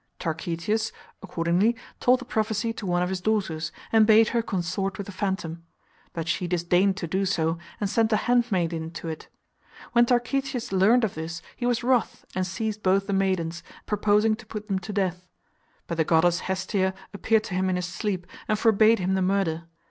Tarchetius, accordingly, told the prophecy to one of his daughters, and bade her consort with the phantom ; but she disdained to do so, and sent a handmaid in to it. When Tarchetius learned of this, he was wroth, and seized both the maidens, purposing to put them to death. But the goddess Hestia appeared to him in his sleep and for bade him the murder.